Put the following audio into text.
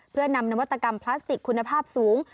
เพื่อนำนวัตกรรมพลาสติกคุณภาพสูง